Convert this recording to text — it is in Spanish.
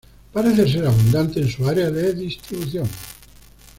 Parece ser abundante en su área de distribución.